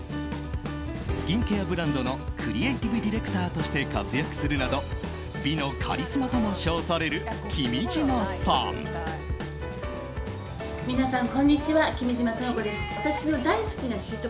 スキンケアブランドのクリエーティブディレクターとして活躍するなど美のカリスマとも称される君島さん。